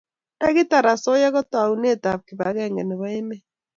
nda kitar asoya ko taunet ab kibagenge nebo emet